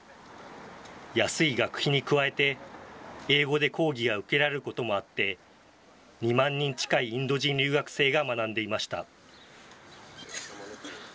安い学費に加えて、英語で講義が受けられることもあって、２万人近いインド人留学生が学んでいました。